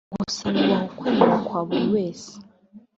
gusa nubaha ukwemera kwa buri wese